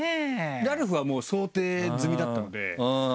ラルフは想定済みだったので。